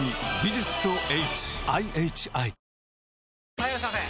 ・はいいらっしゃいませ！